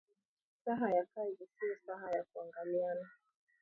Saha ya kazi sio saha ya kuangaliana